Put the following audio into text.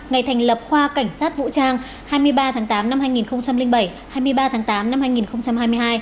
ngày thành lập khoa cảnh sát vũ trang hai mươi ba tháng tám năm hai nghìn bảy hai mươi ba tháng tám năm hai nghìn hai mươi hai